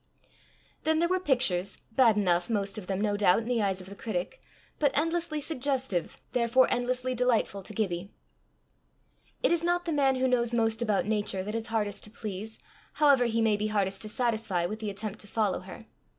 Then there were pictures, bad enough most of them, no doubt, in the eyes of the critic, but endlessly suggestive, therefore endlessly delightful to Gibbie. It is not the man who knows most about Nature that is hardest to please, however he may be hardest to satisfy, with the attempt to follow her.